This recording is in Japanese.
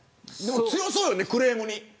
強そうよね、クレームに。